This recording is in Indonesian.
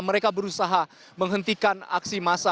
mereka berusaha menghentikan aksi massa